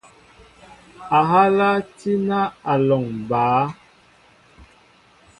Ahala tína a lɔŋ baá.